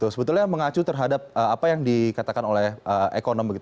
sebetulnya mengacu terhadap apa yang dikatakan oleh ekonom